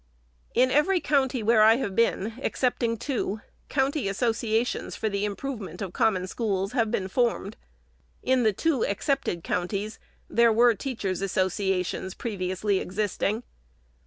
In every county where I have been, excepting two, county associations for the improvement of Common Schools have been formed. In the two excepted coun ties, there were teachers' associations previously existing.